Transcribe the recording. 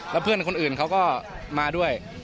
แล้วเพื่อนคนอื่นเขาก็มาด้วย